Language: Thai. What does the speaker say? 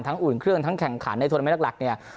ทั้งอุ่นเครื่องทั้งแข่งขันในธุรกิจนักหลักเนี่ย